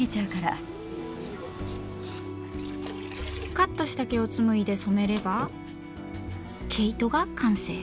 カットした毛をつむいで染めれば毛糸が完成。